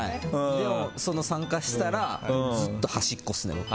でも参加したらずっと端っこですね、僕。